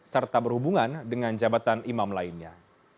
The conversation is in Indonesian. serta berhubungan dengan jabatan imam lainnya